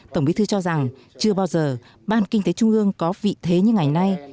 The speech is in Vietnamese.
tổng bí thư cho rằng chưa bao giờ ban kinh tế trung ương có vị thế như ngày nay